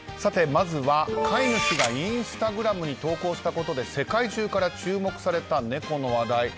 まずは、飼い主がインスタグラムに投稿したことで世界中から注目された猫の話題。